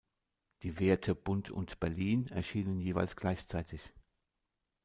Die Werte Bund und Berlin erschienen jeweils gleichzeitig.